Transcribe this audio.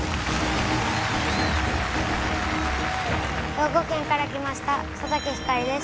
兵庫県から来ました佐竹晃です。